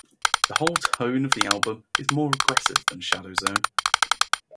The whole tone of the album is more aggressive than "Shadow Zone".